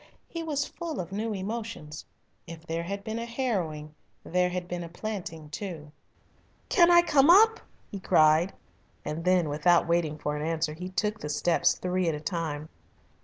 He was full of new emotions. If there had been a harrowing there had been a planting too. "Can I come up?" he cried, and then, without waiting for an answer, he took the steps three at a time.